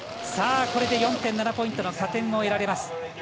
これで４．７ポイントの加点を得られます。